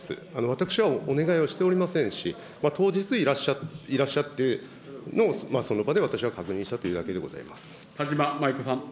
私はお願いをしておりませんし、当日いらっしゃっての、その場で私は確認したというだけでござい田島麻衣子さん。